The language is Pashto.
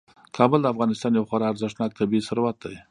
کابل د افغانستان یو خورا ارزښتناک طبعي ثروت دی.